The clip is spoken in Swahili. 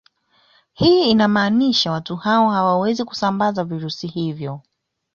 Hii inamaanisha watu hao hawawezi kusambaza virusi hivyo